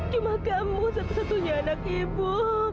cuma kamu satu satunya anak ibu